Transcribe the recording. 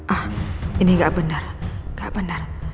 ah ini gak benar